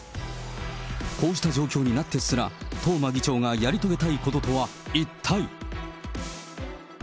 こうした状況になってすら、東間議長がやり遂げたいこととは一体。